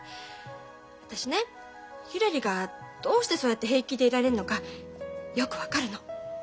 私ねひらりがどうしてそうやって平気でいられるのかよく分かるの。